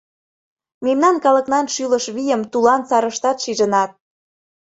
Мемнан калыкнан шӱлыш вийым Тулан сарыштат шижынат.